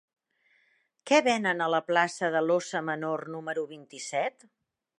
Què venen a la plaça de l'Óssa Menor número vint-i-set?